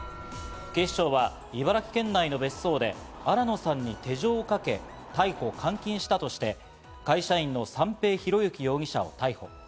警視庁は茨城県内の別荘で新野さんに手錠をかけ、逮捕・監禁したとして、会社員の三瓶博幸容疑者を逮捕。